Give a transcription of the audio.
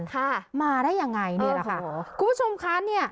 ค่ะมาได้ยังไงเนี่ยแหละค่ะคุณผู้ชมคะเนี่ย